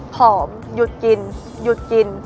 ผอมหยุดกินหยุดกิน